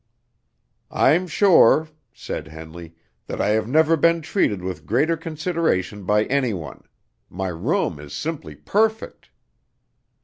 "I'm sure," said Henley, "that I have never been treated with greater consideration by any one; my room is simply perfect!"